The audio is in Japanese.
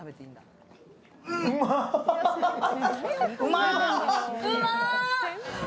うまい！